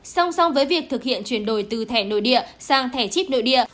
song song với việc thực hiện chuyển đổi từ thẻ nội địa sang thẻ chip nội địa